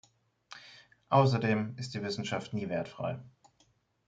Außerdem ist die Wissenschaft nie wertfrei.